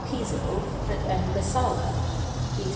Piso and M. Messala (B.